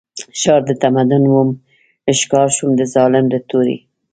ښار د تمدن وم ښکار شوم د ظالم د تورې